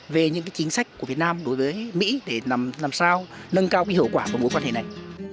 về những chính sách của việt nam đối với mỹ để làm sao nâng cao hiệu quả của mối quan hệ này